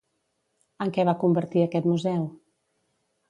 En què va convertir aquest museu?